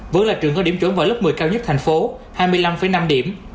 vẫn là trường có điểm chuẩn vào lớp một mươi cao nhất thành phố hai mươi năm năm điểm